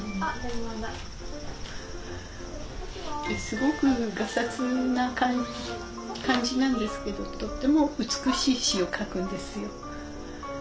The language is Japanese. すごくがさつな感じなんですけどとっても美しい詩を書くんですよ。